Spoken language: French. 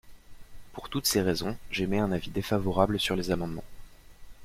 Pour toutes ces raisons, j’émets un avis défavorable sur les amendements.